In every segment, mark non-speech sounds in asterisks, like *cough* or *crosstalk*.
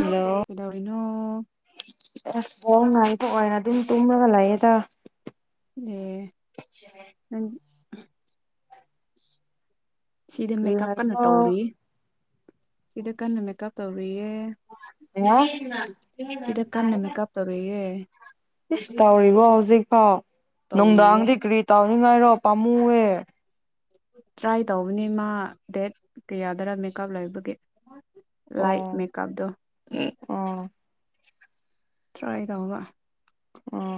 hello ꯁꯤꯗꯅꯣ ꯍꯣꯡ ꯉꯥꯏꯊꯣꯛꯑꯣꯏꯅ ꯑꯗꯨꯝ ꯇꯨꯝꯃꯒ ꯂꯩꯌꯦꯦꯗ ꯑꯦ *unintelligible* ꯁꯤꯗ ꯀꯔꯤ ꯃꯦꯀꯞ ꯀꯟꯅ ꯍꯥꯏꯕ꯭ꯔꯣ ꯇꯧꯔꯤ ꯁꯤꯗ ꯀꯟꯅ ꯃꯦꯀꯞ ꯇꯧꯔꯤꯌꯦ ꯁꯤꯗ ꯀꯟꯅ ꯃꯦꯀꯞ ꯇꯧꯔꯤꯌꯦ ꯑ ꯏꯁꯁ ꯇꯧꯔꯤꯕꯣ ꯍꯧꯖꯤꯛꯐꯥꯎ ꯇꯧꯔꯤꯌꯦ ꯅꯣꯡꯗꯥꯥꯡꯒꯗ ꯀꯔꯤ ꯇ ꯉꯥꯏꯔꯣ ꯄꯥꯝꯃꯨꯑꯦ ꯇ꯭ꯔꯥꯏ ꯇꯧꯕꯅꯤ ꯃꯥ ꯗꯦꯠ ꯀꯌꯥꯗꯔ ꯃꯦꯀꯞ ꯂꯩꯕꯒꯤ ꯂꯥꯏ ꯑꯣ ꯃꯦꯀꯥꯞꯗ ꯑꯣ ꯇ꯭ꯔꯥꯏ ꯇꯧꯕ ꯑꯣ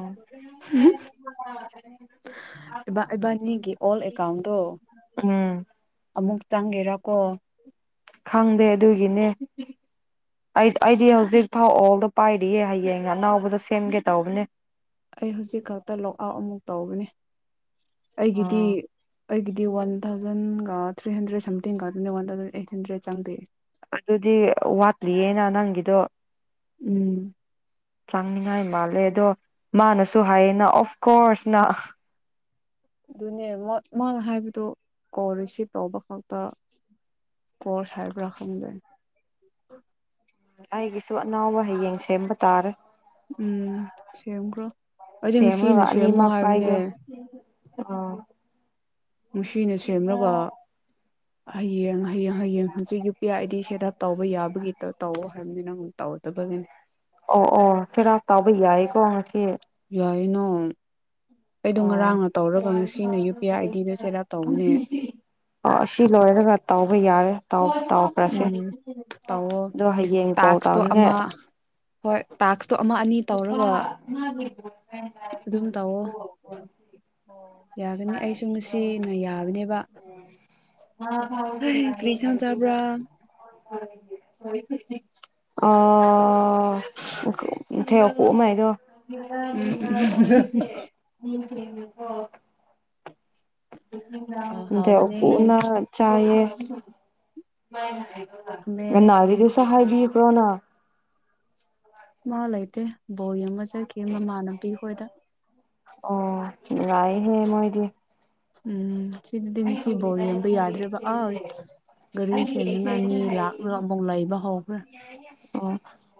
ꯏꯕꯥꯅꯤꯒꯤ ꯑꯣꯜ ꯑꯦꯀꯥꯎꯟꯗꯣ ꯎꯝ ꯑꯃꯨꯛ ꯆꯪꯒꯦꯔꯥꯀꯣ ꯈꯪꯗꯦ ꯑꯗꯨꯒꯤꯅꯦ ꯑꯩ ꯑꯩꯗꯤ ꯍꯧꯖꯤꯛ ꯐꯥꯎ ꯑꯣꯜꯗꯣ ꯄꯥꯏꯔꯤꯌꯦ ꯍꯌꯦꯡ ꯑꯅꯥꯎꯕꯗ ꯁꯦꯝꯒꯦ ꯇꯧꯕꯅꯦ ꯑꯩ ꯍꯧꯖꯤꯛ ꯈꯛꯇ ꯂꯣꯛ ꯑꯥꯎꯞ ꯑꯃꯨꯛ ꯇꯧꯕꯅꯦ ꯑꯩꯒꯤꯗꯤ ꯑꯥ ꯑꯩꯒꯤꯗꯤ ꯋꯥꯟ ꯊꯥꯎꯖꯟꯒ ꯊ꯭ꯔꯤ ꯍꯟꯗ꯭ꯔꯦꯗ ꯁꯝꯊꯤꯡꯒ ꯑꯗꯨꯅꯦ ꯋꯥꯟ ꯊꯥꯎꯖꯟ ꯑꯩꯠ ꯍꯟꯗ꯭ꯔꯦꯗ ꯆꯪꯗꯦ ꯑꯗꯨꯗꯤ ꯋꯥꯠꯂꯤꯌꯦꯅ ꯅꯪꯒꯤꯗꯣ ꯎꯝ ꯆꯥꯡꯅꯤꯡꯉꯥꯏ ꯃꯥꯜꯂꯦ ꯑꯗꯣ ꯃꯥꯅꯁꯨ ꯍꯥꯏꯌꯦꯅ ꯑꯣꯐ ꯀꯣꯔꯁꯅ ꯑꯗꯨꯅꯦ ꯃꯥꯅ ꯍꯥꯏꯕꯗꯨ ꯀꯣꯜ ꯔꯤꯁꯤꯞ ꯇꯧꯕ ꯈꯛꯇ ꯀꯣꯁ ꯍꯥꯏꯕ꯭ꯔꯥ ꯈꯪꯗꯦ ꯑꯩꯒꯤꯁꯨ ꯑꯅꯥꯎꯕ ꯍꯌꯦꯡ ꯁꯦꯝꯕ ꯇꯥꯔꯦ ꯎꯝ ꯁꯦꯝꯒ꯭ꯔꯣ ꯑꯩꯗꯤ ꯉꯁꯤꯅ ꯁꯦꯝꯔꯒ ꯁꯦꯝꯔꯃꯣ ꯑꯅꯤꯃꯛ ꯍꯥꯏꯕꯅꯦ ꯄꯥꯏꯒꯦ ꯑꯥ ꯅꯨꯡꯁꯤꯅ ꯁꯦꯝꯂꯒ ꯍꯌꯦꯡ ꯍꯌꯦꯡ ꯍꯌꯦꯡ ꯍꯧꯖꯤꯛ U P I I D set up ꯇꯧꯕ ꯌꯥꯕꯒꯤ ꯇꯧꯋꯣ ꯍꯥꯏꯕꯅꯤ ꯅ ꯑꯃꯨꯛ ꯇꯧꯔꯗꯕꯒꯤꯅꯤ ꯑꯣ ꯑꯣ ꯆꯩꯦꯔꯥ ꯇꯥꯎꯕ ꯌꯥꯏꯀꯣ ꯉꯁꯤ ꯇꯥꯏꯩꯅꯣ ꯑꯣ ꯌꯨ ꯄꯤ ꯑꯥꯏ ꯑꯥꯏꯗꯤꯗꯣ ꯁꯦꯠ ꯑꯞ ꯇꯧꯕꯅꯦ ꯑꯣ ꯁꯤ ꯂꯣꯏꯔꯒ ꯇꯧꯕ ꯌꯥꯔꯦ ꯇꯥꯎꯈ꯭ꯔꯁꯦ ꯎꯝ ꯇꯧꯋꯣ ꯑꯗꯣ ꯍꯌꯦꯡ ꯀꯣꯜ ꯇꯥꯛꯁꯇꯣ ꯑꯃ ꯇꯧꯔꯤꯉꯩ ꯍꯣꯏ ꯇꯥꯛ ꯇꯣ ꯑꯃ ꯑꯅꯤ ꯇꯧꯔꯒ ꯎꯝ ꯑꯗꯨꯝ ꯇꯧꯑꯣ ꯌꯥꯒꯅꯤ ꯑꯩꯁꯨ ꯉꯁꯤꯅ ꯌꯥꯕꯅꯦꯕ ꯀꯔꯤ ꯁꯥꯟ ꯆꯕ꯭ꯔꯥ ꯑꯣ ꯍ ꯑꯣ ꯊ ꯐꯃꯥꯏꯔꯣ ꯎꯝ *unintelligible* ꯑꯣꯏꯁꯦ ꯃꯤ ꯑꯣ ꯎꯝ ꯑꯣ ꯀꯗ ꯍꯥꯎꯕꯅꯦ ꯎꯅ *inaudible* *unintelligible* ꯇꯌꯦ ꯈꯥꯃꯦꯟ ꯅꯒꯤꯁꯇꯁꯨ ꯍꯥꯏꯕꯤꯌꯨ ꯊꯣꯅ ꯃꯥꯥꯏ ꯑꯗꯨ *inaudible* *unintelligible* ꯕꯣꯜ ꯌꯦꯡꯕ ꯆꯠꯈꯤ ꯃꯃꯥꯟꯅꯕꯤ ꯍꯣꯏꯗ ꯑꯣ ꯅꯨꯪꯉꯥꯏꯌꯦꯍꯦ ꯃꯣꯏꯗꯤ ꯎꯝ ꯁꯤꯗꯗꯤ ꯉꯁꯤ ꯐꯕꯥꯎ ꯌꯦꯡꯕ ꯌꯥꯗ꯭ꯔꯦꯕ ꯑꯩ ꯒꯥꯔꯤ ꯁꯦꯝꯅꯤꯡꯉꯥꯏ ꯃꯤ ꯂꯥꯛꯂꯒ ꯑꯃꯨꯧ ꯂꯩꯕ ꯍꯧꯈ꯭ꯔꯦ ꯑꯣ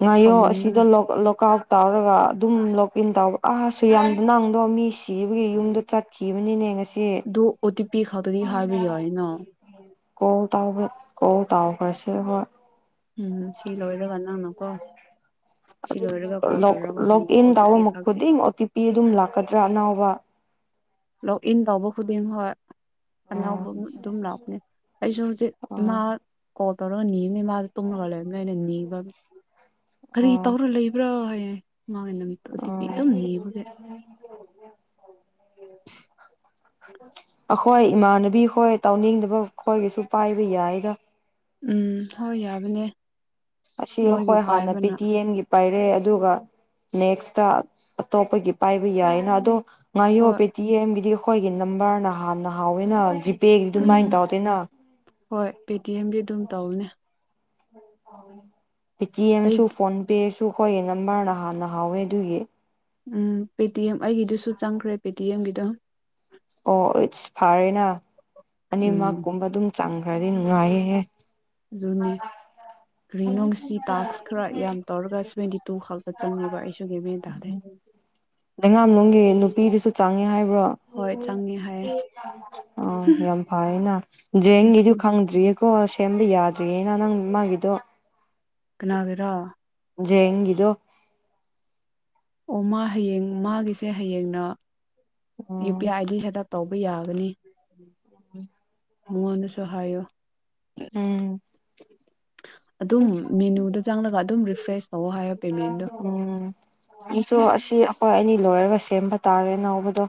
ꯉꯌꯣ ꯑꯩ ꯁꯥꯎꯅꯤꯡꯕꯅ ꯁꯤꯗ ꯂꯣꯀ ꯂꯣꯀꯥꯛ ꯇꯧꯔꯒ ꯑꯗꯨꯝ ꯂꯣꯛ ꯏꯟ ꯇꯥꯎꯔ ꯑꯁ ꯁꯨ ꯌꯥꯝꯗꯨ ꯅꯡꯗꯣ ꯃꯤ ꯁꯤꯕꯒꯤ ꯌꯨꯝꯗꯣ ꯆꯠꯈꯤꯕꯅꯤꯅꯦ ꯉꯁꯤ ꯑꯗꯨ ꯑꯣ ꯇꯤ ꯄꯤ ꯈꯛꯇꯗꯤ ꯍꯥꯏꯕ ꯌꯥꯏꯅ ꯀꯣꯜ ꯇꯕꯗ ꯀꯣꯜ ꯇꯥꯎꯈ꯭ꯔꯁꯦ ꯍꯣꯏ ꯎꯝ ꯁꯤ ꯂꯣꯏꯔꯒꯥꯟꯗ ꯑꯗꯨꯝ ꯀꯣꯜ ꯇꯧꯔꯒ ꯂꯣꯛ ꯍꯪꯉꯣ ꯏꯟ ꯑꯣ ꯇꯤ ꯄꯤ ꯇꯥꯎꯕ ꯈꯛꯇꯤ ꯈꯨꯗꯤꯡ ꯑꯣ ꯇꯤ ꯄꯤ ꯑꯗꯨꯝ ꯂꯥꯛꯀꯗ꯭ꯔꯥ ꯑꯅꯥꯎꯕ ꯂꯣꯛ ꯏꯟ ꯇꯧꯕ ꯈꯨꯗꯤꯡ ꯍꯣꯏ ꯑꯣ ꯑꯅꯥꯎꯕ ꯑꯗꯨꯝ ꯂꯥꯛꯄꯅꯦ ꯑꯩꯁꯨ ꯍꯧꯖꯤꯛ ꯏꯃꯥ ꯑꯣ ꯀꯣꯜ ꯇꯧꯔꯒ ꯅꯤꯕꯅꯤ ꯏꯃꯥꯗꯣ ꯇꯨꯝꯂꯒ ꯂꯩꯔꯝꯅꯤ ꯑꯩꯅ ꯅꯤꯕ ꯀꯔꯤ ꯇꯧꯔ ꯂꯩꯕ꯭ꯔꯥ ꯍꯥꯏꯌꯦ ꯃꯥꯒꯤ ꯅꯨꯃꯤꯠ ꯑꯣ ꯑꯈꯣꯏ ꯏꯃꯥꯟꯅꯕꯤ ꯈꯣꯏ ꯇꯧꯅꯤꯡꯗꯕ ꯈꯣꯏꯒꯤꯁꯨ ꯄꯥꯏꯕ ꯌꯥꯏꯗ ꯎꯝ ꯍꯣꯏ ꯌꯥꯕꯅꯦ ꯑꯁꯤ ꯃꯣꯏꯒꯤ ꯑꯩꯈꯣꯏ ꯍꯥꯟꯅ ꯄꯤ ꯄꯥꯏꯕꯅ ꯇꯤ ꯑꯦꯝꯒꯤ ꯄꯥꯏꯔꯦ ꯑꯗꯨꯒ ꯅꯦꯛꯁꯇ ꯑꯇꯣꯞꯄꯒꯤ ꯄꯥꯏꯕ ꯌꯥꯏꯅ ꯑꯗꯣ ꯉꯥꯏꯑꯣ ꯍꯣꯏ ꯄꯤꯇꯤꯑꯦꯝꯒꯤꯗꯤ ꯑꯩꯈꯣꯏꯒꯤ ꯅꯝꯕꯔꯅ ꯍꯥꯟꯅ ꯍꯥꯎꯋꯦꯅ ꯖꯤꯛ ꯇꯤ ꯎꯝ ꯑꯗꯨꯃꯥꯏꯅ ꯇꯧꯗꯦꯅ ꯍꯣꯏ ꯄꯔꯤꯠ ꯗꯤ ꯑꯦꯝꯒꯤ ꯑꯗꯨꯝ ꯇꯧꯅꯤ ꯍ ꯀꯅꯤ *inaudible* *unintelligible* ꯑꯩ ꯄꯦꯇꯤꯑꯦꯝꯁꯨ ꯐꯣꯟ ꯄꯦ ꯁꯨ ꯑꯩꯈꯣꯏꯒꯤ ꯅꯝꯕꯔꯅ ꯍꯥꯟꯅ ꯍꯥꯎꯋꯦ ꯑꯗꯨꯒꯤ ꯎꯝ ꯄꯦ ꯇꯤ ꯑꯦꯝ ꯑꯩꯒꯤꯗꯨꯁꯨ ꯆꯪꯈ꯭ꯔꯦ ꯄꯦ ꯇꯤ ꯑꯦꯝꯒꯤꯗ ꯑꯣ ꯏꯠꯁ ꯐꯔꯦꯅ ꯑ ꯃꯥ ꯎꯝ ꯀꯕꯥ ꯑꯗꯨ ꯆꯪꯈ꯭ꯔꯗꯤ ꯅꯨꯡꯉꯥꯏꯌꯦꯍꯦ ꯑꯗꯨꯅꯦ ꯀꯔꯤꯅꯨꯡꯁꯤ ꯇꯥꯛꯁ ꯈꯔ ꯌꯥꯝ ꯇꯧꯔꯒ ꯁꯚꯦꯟꯇꯤ ꯇꯨ ꯈꯛꯇ ꯆꯪꯉꯦꯕ ꯑꯩꯁꯨ ꯦꯕꯦꯟ ꯇꯥꯔꯦ ꯂꯩꯉꯥꯝꯅꯨꯡꯒꯤ ꯅꯨꯄꯤꯗꯨꯁꯨ ꯆꯥꯡꯉꯦ ꯍꯥꯏꯕ꯭ꯔꯣ ꯍꯣꯏ ꯆꯪꯉꯦ ꯍꯥꯏꯌꯦ ꯑꯣ ꯌꯥꯝ ꯐꯩꯅ ꯖꯦꯡꯒꯤꯗꯤ ꯉꯁꯤ ꯈꯪꯗ꯭ꯔꯤꯌꯦ ꯀꯣ ꯁꯦꯝꯕ ꯌꯥꯗ꯭ꯔꯤꯌꯦꯅ ꯅꯪ ꯃꯥꯒꯤꯗꯣ ꯀꯅꯥꯒꯤꯔꯥ ꯌꯦꯒꯤꯤꯗꯣ ꯑꯣ ꯃꯥ ꯍꯌꯦꯡ ꯃꯥꯒꯤꯁꯦ ꯍꯌꯦꯡꯅ ꯌꯨ ꯄꯤ ꯑ ꯎꯝ ꯑꯥꯏꯗꯤ ꯁꯗ ꯇꯧꯕ ꯌꯥꯒꯅꯤ *inaudible* ꯃꯉꯅ ꯁꯍꯥꯏꯣ *inaudible* *inaudible* ꯑꯗꯨꯝ ꯃꯦꯅꯨꯗ ꯆꯪꯂꯒ ꯑꯗꯨꯝ ꯔꯤꯐ꯭ꯔꯦꯁ ꯇꯧꯋ ꯍꯥꯏꯣ ꯄꯦꯃꯦꯟꯗꯣ ꯎꯝ ꯑꯩꯁꯨ ꯑꯁꯤ ꯑꯩꯈꯣꯏ ꯑꯅꯤ ꯂꯣꯏꯔꯒ ꯁꯦꯝꯕ ꯇꯥꯔꯦ ꯅꯅꯥꯧꯕꯗꯣ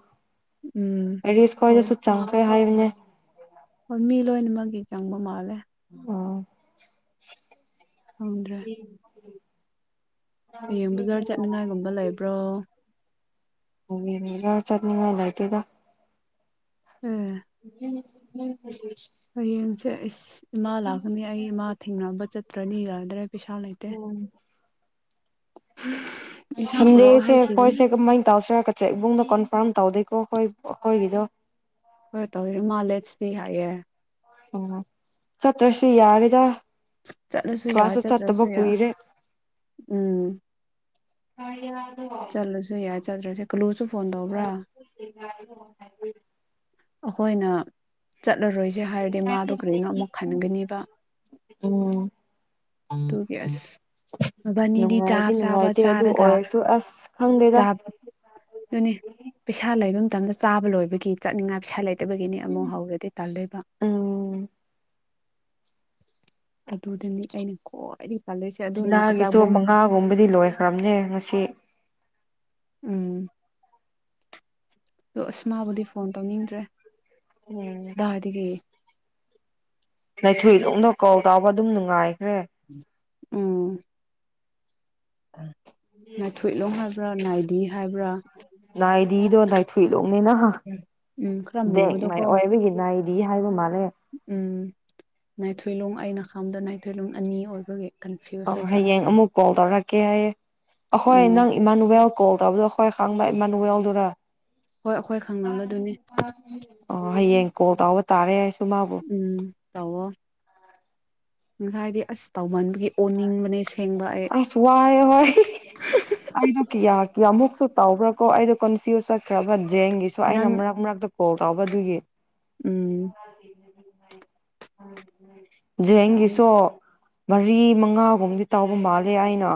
ꯎꯝ ꯔꯔꯤꯁ ꯍꯣꯏ ꯑꯣꯏꯗꯁꯨ ꯆꯥꯡ ꯍꯥꯏ *unintelligible* ꯍꯣꯏ ꯃꯤ ꯂꯣꯏꯅꯃꯛꯀꯤ ꯆꯪꯕ ꯃꯥꯜꯂꯦ ꯑꯣ ꯎꯝ ꯈꯪꯗ꯭ꯔꯦ ꯎ ꯍꯌꯦꯡ ꯕꯖꯥꯔ ꯆꯠꯅꯤꯉꯥꯏꯒꯨꯝꯕ ꯂꯩꯕ꯭ꯔꯣ ꯍ ꯌ ꯆꯠꯅꯤꯉꯥꯏꯅꯥꯏꯇꯣꯏꯗ ꯎ ꯎꯝ ꯍꯝ ꯍꯁꯦ ꯏꯃꯥ ꯂꯥꯛꯀꯅꯤ ꯑꯩ ꯏꯃꯥ ꯊꯦꯡꯅꯕ ꯆꯠ ꯭ꯔꯅꯤꯒꯗ꯭ꯔꯦ ꯄꯤꯁꯥ ꯂꯩꯇꯦ ꯎꯝ ꯎ ꯁꯟꯗꯦꯁꯦ ꯑꯩꯈꯣꯏꯁꯦ ꯀꯃꯥꯏꯅ ꯇꯧꯁꯤꯔꯒꯠꯦ ꯏꯕꯨꯡꯗ ꯀꯣꯟꯐꯥꯔꯝ ꯇꯧꯗꯣꯏ ꯑꯣ ꯑꯩꯣꯏ ꯀꯣꯏ ꯂꯤꯗꯣ ꯍꯣꯏ ꯇꯧꯋꯦ ꯏꯃꯥꯂꯦꯁꯅꯤ ꯍꯥꯏꯌꯦꯦ ꯑꯣ ꯁꯠꯇ꯭ꯔꯁꯤ ꯌꯥꯔꯗ ꯆꯠꯂꯁꯨ ꯌꯥ ꯆꯠꯇ꯭ꯔꯁꯨ ꯌꯥ ꯀꯨꯏꯔꯦ ꯎꯝ ꯆꯂꯣꯁꯨ ꯌꯥꯔ ꯆꯠ꯭ꯔꯁꯦ ꯀꯂꯣꯁꯨ ꯐꯣꯟ ꯇꯧꯕ꯭ꯔꯥ ꯑꯩꯈꯣꯏꯅ ꯆꯠꯂꯔꯣꯏꯁꯦ ꯍꯥꯏꯔꯗꯤ ꯃꯥꯗꯣ ꯀꯔꯤꯅꯣ ꯑꯃꯨꯛ ꯈꯟꯒꯅꯦꯕ ꯎꯝ ꯑꯗꯨꯒꯤ ꯑꯁ ꯃꯕꯥꯅꯤꯗꯤ ꯅꯨꯡꯉꯥꯏꯗꯤ ꯆꯥꯕ ꯆꯥꯕ ꯅꯨꯡꯉꯥꯏꯇꯦ ꯑꯗꯨ ꯆꯥꯔꯒ ꯑꯣꯏꯔꯁꯨ ꯑꯁ ꯈꯪꯗꯦꯗ ꯑꯗꯨꯅꯤ ꯄꯩꯁꯥ ꯂꯩꯕ ꯃꯇꯝꯗ ꯆꯥꯕ ꯂꯣꯏꯕꯒꯤ ꯆꯠꯅꯤꯡꯉꯥꯏ ꯄꯩꯁꯥ ꯂꯩꯇꯦ ꯐꯠꯇꯕꯒꯤꯅꯤ ꯑꯃꯨꯛ ꯍꯧꯔꯗꯤ ꯇꯥꯂꯣꯏꯕ ꯎꯝ ꯑꯩꯅ ꯈ꯭ꯋꯥꯏꯗꯒꯤ ꯄꯥꯜꯂꯣꯏꯁꯦ ꯑꯗꯨꯅ ꯅꯨꯡꯗꯥꯒꯤꯁꯨ ꯀꯆꯥꯛꯕꯣꯡ ꯃꯉꯥꯒꯨꯝꯕꯗꯤ ꯂꯣꯏꯈ꯭ꯔꯕꯅꯦ ꯉꯁꯤ ꯎꯝ ꯑ ꯑꯁ ꯃꯥꯕꯨꯗꯤ ꯐꯣꯟ ꯇꯧꯅꯤꯡꯗ꯭ꯔꯦ ꯎꯝ ꯗꯥꯗꯤꯒꯦ ꯅꯩꯊꯣꯏꯂꯣꯛꯗ ꯀꯣꯜ ꯇꯥꯎꯕ ꯑꯗꯨꯝ ꯅꯨꯡꯉꯥꯏ ꯎꯝ ꯎꯝ ꯅꯥꯏꯊꯣꯏꯂꯣꯡ ꯍꯥꯏꯕ꯭ꯔꯥ ꯅꯥꯏꯗꯤ ꯍꯥꯏꯕ꯭ꯔꯥ ꯅꯥꯏꯗꯤꯗꯣ ꯇꯥꯏ ꯊꯨꯏ ꯂꯣꯅꯦꯅꯍ ꯎꯝ ꯈꯔ ꯃꯥꯏ ꯃꯨꯕꯗꯣꯀꯣ ꯑꯣꯏꯕꯒꯤ ꯅꯥꯏꯗꯤ ꯗꯤ ꯍꯥꯏꯕꯨ ꯃꯥꯅꯦꯦ ꯎꯝ ꯅꯥꯏꯊꯣꯏꯂꯣꯡ ꯑꯩꯅ ꯈꯥꯝꯗ ꯅꯥꯏꯊꯣꯏꯂꯣꯡ ꯑꯅꯤ ꯑꯣꯏꯕꯒꯤ ꯀꯟꯐ꯭ꯌꯨꯁ ꯑ ꯆꯠꯄ ꯍꯌꯦꯡ ꯑꯃꯨꯛ ꯀꯣꯜ ꯇꯧꯔꯛꯀꯦ ꯍꯥꯏꯌꯦ ꯑꯈꯣꯏ ꯎꯝ ꯅꯪ ꯏꯃꯅ ꯎꯕꯦ ꯀꯣꯜ ꯇꯧꯕꯗꯣ ꯍꯣꯏ ꯈꯥꯡꯕ ꯏꯃꯅꯨ ꯌꯥꯎꯗꯣꯏꯅ ꯍꯣꯏ ꯑꯩꯈꯣꯏ ꯈꯪꯅꯕꯗꯨꯅꯤ ꯑꯣ ꯍꯌꯦꯌꯦ ꯀꯣꯜ ꯇꯧꯕ ꯇꯥꯔꯦ ꯃꯥꯕꯨ ꯎꯝ ꯇꯋꯣ ꯉꯁꯥꯏꯗꯤ ꯑꯁ ꯇꯧꯃꯟꯕꯒꯤ ꯑꯣꯅꯤꯡꯕꯅꯦ ꯁꯦꯡꯕ ꯑꯩ ꯑ ꯁ ꯋꯥ ꯍꯣꯏ ꯑꯗ ꯀ ꯀꯌꯥꯃꯨꯛꯁꯨ ꯇꯥꯎꯕ꯭ꯔꯥ ꯀꯣ ꯑꯩꯗꯣ ꯀꯟꯐ꯭ꯌꯨꯁ ꯆꯠꯈ꯭ꯔꯕ ꯖꯦꯡꯒꯤꯁꯨ ꯑꯩꯅ ꯅꯪ ꯃꯔꯛ ꯃꯔꯛꯇ ꯀꯣꯜ ꯀꯥꯎꯕ ꯑꯗꯨꯒꯤ *unintelligible* ꯎꯝ ꯎ ꯎꯝ ꯎꯝ ꯖꯒꯤ ꯁꯣ ꯃꯔꯤ ꯃꯉꯥꯒꯨꯝꯗꯤ ꯇꯥꯎꯕ ꯃꯥꯜꯂꯦ ꯑꯩꯅ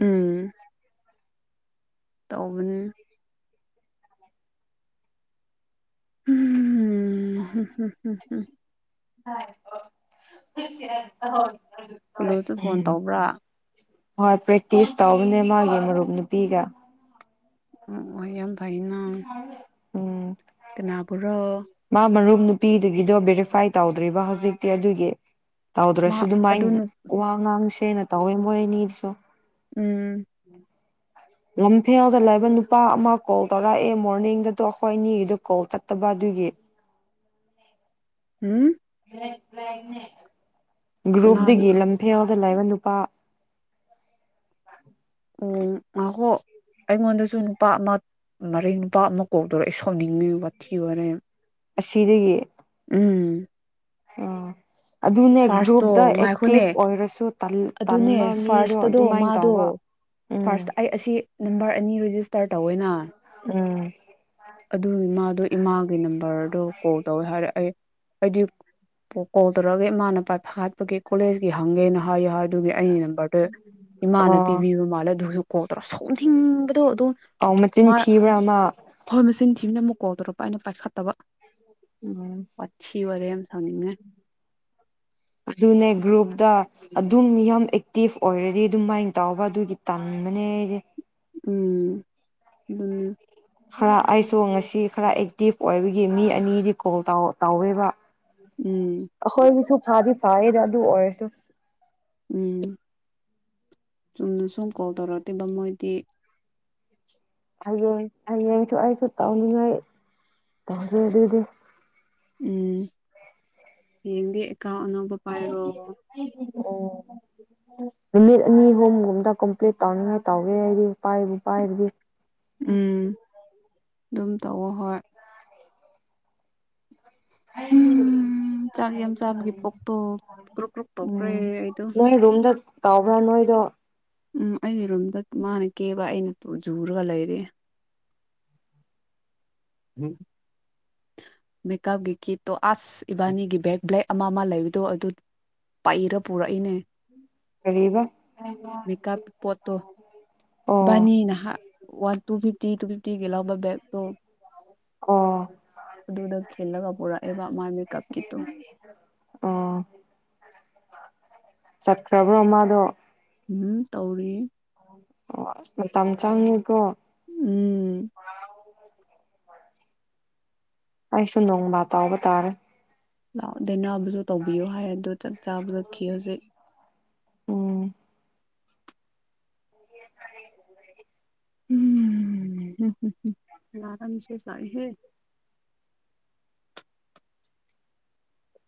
ꯎꯝ ꯇꯧꯕꯅꯦ ꯎꯝ ꯍꯨꯝ ꯍꯨꯝ ꯍ ꯀꯨꯂꯨꯁꯨ ꯐꯣꯟ ꯇꯧꯕ꯭ꯔꯥ ꯍꯣꯏ ꯄ꯭ꯔꯦꯛꯇꯤꯁ ꯇꯧꯕꯅꯦ ꯃꯥꯒꯤ ꯃꯔꯨꯞ ꯅꯨꯄꯤꯒ ꯎꯝ ꯃꯣꯏ ꯌꯥꯝ ꯁꯥꯔ ꯎꯝ ꯀꯅꯥꯕꯨ꯭ꯔꯣ ꯃꯥ ꯃꯔꯨꯞ ꯅꯨꯄꯤꯗꯨꯒꯤꯗꯣ ꯕꯦꯔꯤꯐꯥꯏ ꯇꯧꯗ꯭ꯔꯤꯕ ꯍꯧꯖꯤꯛꯇꯤ ꯑꯗꯨꯒꯤ ꯃꯥ ꯇꯧꯗ꯭ꯔꯁꯨ ꯑꯗꯨ ꯑꯗꯨꯃꯥꯏꯅ ꯅꯨ ꯋꯥ ꯉꯥꯡꯁꯤ ꯑꯩꯅ ꯇꯧꯋꯦ ꯃꯣꯢꯑꯅꯤꯁꯨ ꯎꯝ ꯂꯝꯐꯦꯜꯗ ꯂꯩꯕ ꯅꯨꯄꯥ ꯑꯃ ꯀꯣꯜ ꯇꯧꯔꯛꯑꯦ ꯃꯣꯔꯅꯤꯡꯗꯗꯣ ꯑꯩꯈꯣꯏ ꯑꯅꯤꯒꯤꯗ ꯀꯣꯜ ꯆꯠꯇꯕ ꯑꯗꯨꯒꯤ ꯎꯝ *unintelligible* ꯀꯅꯥ ꯒꯔꯨꯞꯇꯒꯤ ꯂꯝꯐꯦꯜ ꯗ ꯂꯩꯕ ꯅꯨꯄꯥ ꯎꯝ ꯉꯥꯏꯈꯣ ꯑꯩꯉꯣꯟꯗꯁꯨ ꯅꯨꯄꯥ ꯑꯃ ꯃꯔꯤꯡ ꯅꯨꯄꯥ ꯑꯃ ꯀꯣꯜ ꯇꯧꯔꯛꯑꯦ ꯑꯩ ꯁꯥꯎꯅꯤꯡꯉꯦ ꯋꯥꯊꯤ ꯋꯥꯔꯦꯝ ꯑꯁꯤꯗꯒꯤ ꯎꯝ ꯑꯥ ꯑꯗꯨꯅꯦ ꯐꯥꯔꯁꯇꯣ ꯒ꯭ꯔꯨꯞꯇ ꯉꯥꯏꯈꯣꯅꯦ ꯑꯦꯛꯇꯤꯚ ꯑꯣꯏꯔꯁꯨ ꯑꯗꯨꯅꯦ ꯇꯟꯕ ꯃꯤꯗꯣ ꯐꯥꯔꯁꯇꯗꯣ ꯑꯗꯨꯃꯥꯏꯅ ꯃꯥꯗꯣ ꯇꯧꯕ ꯎꯝ ꯁꯇꯥꯔ ꯇꯧꯋꯦꯅ ꯎꯝ ꯑꯗꯨ ꯃꯥꯗꯣ ꯏꯃꯥꯒꯤ ꯅꯝ ꯕꯔ ꯑꯗꯨ ꯀꯣꯜ ꯇꯧꯋꯦ ꯍꯥꯏꯔꯦ ꯑꯩ ꯑꯩꯗꯤ ꯀꯣꯜ ꯇꯧꯔꯛꯑꯒꯦ ꯃꯃꯥꯅꯄꯥ ꯐꯒꯠꯄꯒꯤ ꯀꯣꯂꯦꯖꯀꯤ ꯍꯪꯒꯦꯅ ꯌꯥ ꯑꯗꯨꯒꯤ ꯑꯩꯒꯤ ꯅꯝꯕꯔꯗꯨ ꯏꯃꯥꯅ ꯑꯣ ꯄꯤꯕꯤꯕ ꯃꯥꯜꯂꯦ ꯑꯗꯨꯁꯨ ꯀꯣꯜ ꯇꯧꯔ ꯁꯥꯎꯅꯤꯡꯕꯗꯣ ꯑꯗꯨꯝ ꯑꯧ ꯃꯆꯤꯟ ꯃꯥ ꯊꯤꯕ꯭ꯔꯥ ꯑꯃ ꯍꯣꯏ ꯃꯆꯤꯟ ꯊꯤꯕꯗꯣ ꯁꯤꯅ ꯑꯃꯨꯛ ꯀꯣꯜ ꯇꯧꯔꯛꯄ ꯑꯩꯅ ꯄꯥꯏꯈꯠꯇꯕ ꯎꯝ ꯋꯥꯊꯤ ꯋꯥꯔꯦꯝ ꯁꯥꯎꯅꯤꯡꯉꯦ ꯑꯗꯨꯅꯦ ꯒ꯭ꯔꯨꯞꯇ ꯑꯗꯨꯝ ꯌꯥꯝ ꯑꯦꯛꯇꯤꯚ ꯑꯣꯏꯔꯗꯤ ꯑꯗꯨ ꯃꯥꯏꯅ ꯇꯥꯎꯕ ꯑꯗꯨꯒꯤ ꯇꯕꯅꯦ ꯑꯩꯗꯤ ꯎꯝ ꯑꯗꯨ ꯈꯔ ꯑꯩꯁꯨ ꯉꯁꯤ ꯈꯔ ꯑꯦꯛꯇꯤꯚ ꯑꯣꯏꯕꯒꯤ ꯃꯤ ꯑꯅꯤ ꯀꯣꯜ ꯇꯧꯋꯦꯕ ꯎꯝ ꯑꯩꯈꯣꯏꯒꯤꯁꯨ ꯐꯥꯗꯤ ꯐ ꯑꯗꯨꯥ ꯑꯗꯨ ꯑꯣꯏꯔꯁꯨ ꯎꯝ ꯆꯨꯝꯅ ꯁꯨꯝ ꯀꯣꯜ ꯇꯧꯔꯛꯑꯀꯦꯕ ꯃꯣꯏꯗꯤ ꯑ ꯑꯁꯨ ꯑꯩꯁꯨ ꯇꯉ ꯇꯗꯤ ꯎꯝ ꯌꯦꯗꯦ ꯀ ꯑꯕ ꯄꯥꯏꯔꯣ ꯑꯣ ꯅꯨꯃꯤꯠ ꯑꯅꯤ ꯑꯍꯨꯝꯒꯨꯝꯗ ꯀꯝꯄ꯭ꯂꯤꯠ ꯇꯧꯅꯤꯡꯉꯥꯏ ꯇꯧꯒꯦ ꯑꯩꯗꯤ ꯄꯥꯏꯕꯨ ꯄꯥꯏꯔꯕꯤ ꯎꯝ ꯑꯗꯨꯝ ꯇꯧꯋ ꯍꯣꯏ ꯎꯝ ꯆꯥꯛ ꯌꯥꯝ ꯆꯥꯕꯒꯤ ꯄꯣꯛꯇꯣ ꯀ꯭ꯔꯨꯛ ꯀ꯭ꯔꯨꯛ ꯇꯧꯈ꯭ꯔꯦ ꯎꯝ ꯑꯩꯗꯣ ꯅ ꯔꯨꯝꯝꯗ ꯀꯥꯎꯕ꯭ꯔꯥ ꯅꯣꯏꯗꯣ ꯎꯝ ꯑꯩꯒꯤ ꯔꯨꯝꯗ ꯃꯥꯅ ꯀꯦꯕ ꯑꯩꯅ ꯖꯨꯔꯒ ꯂꯩꯔꯦ ꯎ ꯃꯦꯀꯞꯀꯤ ꯀꯤꯠꯇꯣ ꯑꯁ ꯏꯕꯥꯅꯤꯒꯤ ꯕꯦꯛ ꯕ꯭ꯂꯦꯛ ꯑꯃ ꯑꯃ ꯂꯩꯕꯗꯣ ꯑꯗꯨ ꯄꯥꯛꯏꯔ ꯄꯨꯔꯛꯏꯅꯦ ꯀꯔꯤꯕ ꯃꯦꯀꯞ ꯄꯣꯠꯇꯣ ꯑꯣ ꯕꯅꯤ ꯅꯍꯥꯛ ꯋꯥꯟ ꯇꯨ ꯐꯤꯐꯇꯤ ꯇꯨ ꯐꯤ ꯇꯤꯒꯂꯞ ꯕꯦꯛꯇꯣ ꯑꯣ ꯑꯗꯨꯗ ꯈꯤꯜꯂꯒ ꯄꯨꯔꯛꯑꯦꯕ ꯃꯥ ꯃ ꯀꯞꯀꯤꯇꯣ ꯆꯠꯇ꯭ꯔꯕ꯭ꯔꯣ ꯃꯥꯗꯣ ꯎꯝ ꯇꯧꯔꯤ ꯑꯣ ꯑꯁ ꯃꯇꯝ ꯆꯪꯉꯦꯀꯣ ꯎꯝ *inaudible* ꯑꯩꯁꯨꯟꯗꯣ ꯃꯥ ꯇ ꯑꯣꯕ ꯇꯥꯔꯦ ꯂꯥꯛꯑꯣ ꯗꯦꯅꯥꯕꯨꯁꯨ ꯇꯧꯕꯤꯌꯣ ꯍꯥꯏꯔꯒ *inaudible* ꯎꯝ ꯂꯔꯥꯝꯁꯦꯁ ꯍꯦ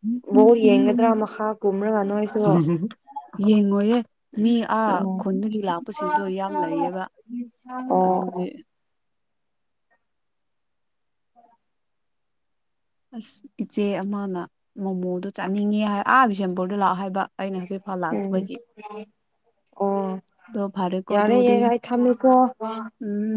ꯎꯝ ꯕ ꯎꯝ ꯌꯦꯡꯒꯗ꯭ꯔꯥ ꯎꯝ ꯃꯈꯥ ꯀꯨꯝꯅꯒ ꯅꯣꯏꯁꯨ ꯌꯦꯡꯉꯣꯌꯦ ꯃꯤ ꯑꯥ ꯎꯝ ꯈꯨꯟꯗꯒꯤ ꯑꯣ ꯂꯥꯛꯄꯁꯤꯡꯗꯣ ꯌꯥꯝ ꯂꯩꯌꯦꯕ ꯑꯣ ꯑꯗꯨꯒꯤ *inaudible* ꯑꯁ ꯏꯆꯦ ꯑꯃꯅ ꯃꯣꯃꯣ ꯑꯩꯅ ꯍꯧꯖꯤꯛꯐꯥꯎ ꯎꯝ ꯂꯥꯛꯇꯕꯒꯤ ꯑꯣ ꯑꯗꯣ ꯐꯔꯦꯀꯣ ꯌꯥꯔꯦ ꯌꯦ ꯑꯗꯨꯗꯤ ꯑꯩ ꯊꯝꯃꯦꯀꯣ ꯍꯝ ꯎꯝ